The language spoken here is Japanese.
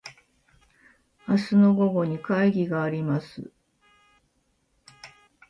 明日の午後に会議があります。